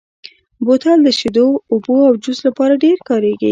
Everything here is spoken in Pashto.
بوتل د شیدو، اوبو او جوس لپاره ډېر کارېږي.